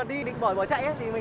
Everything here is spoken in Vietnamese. em không biết gì là chuyện này